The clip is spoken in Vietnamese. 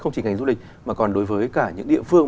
không chỉ ngành du lịch mà còn đối với cả những địa phương